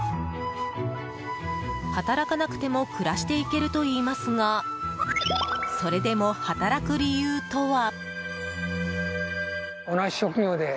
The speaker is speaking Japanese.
働かなくても暮らしていけるといいますがそれでも働く理由とは？